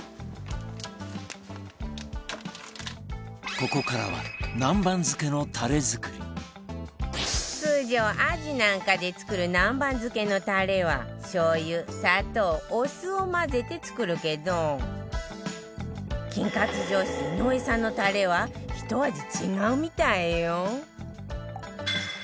ここからは通常アジなんかで作る南蛮漬けのタレはしょう油砂糖お酢を混ぜて作るけど菌活女子井上さんのタレはひと味違うみたいよ